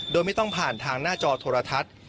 โดยไม่ต้องผ่านทางหน้าจอโทรทัศน์